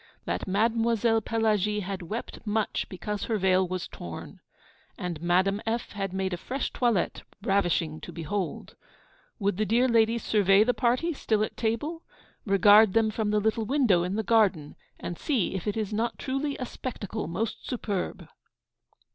That Mademoiselle Pelagie had wept much because her veil was torn; and Madame F. had made a fresh toilette, ravishing to behold. Would the dear ladies survey the party, still at table? Regard them from the little window in the garden, and see if it is not truly a spectacle the most superb!